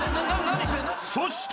［そして］